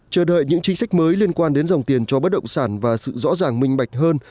chờ đợi những chính sách mới liên quan đến dòng tiền cho bất động sản và sự rõ ràng minh bạch hơn